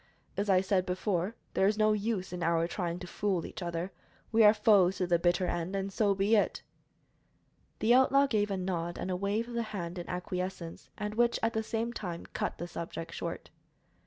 As I said before, there is no use in our trying to fool each other. We are foes to the bitter end, and so be it." The outlaw gave a nod and a wave of the hand in acquiescence, and which, at the same time, cut the subject short.